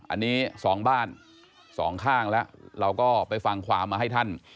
อันนี้สองบ้านสองข้างแล้วเราก็ไปฟังความมาให้ท่าน